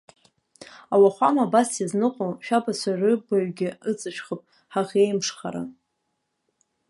Ауахәама абас иазныҟәо, шәабацәа рыбаҩгьы ыҵышәхып, ҳаӷеимшхара!